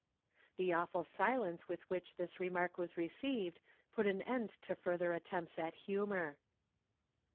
The awful silence with which this remark was received put an end to further efforts at humor.